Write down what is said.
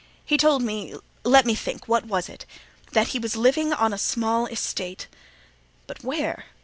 He told me—let me think—what was it? That he was living on a small estate—but where?